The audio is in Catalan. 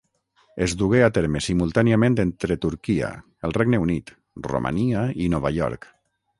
Es dugué a terme simultàniament entre Turquia, el Regne Unit, Romania i Nova York.